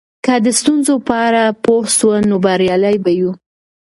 که د ستونزو په اړه پوه سو نو بریالي به یو.